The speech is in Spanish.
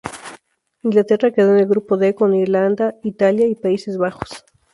Inglaterra quedó en el grupo D con Irlanda, Italia y Países Bajos.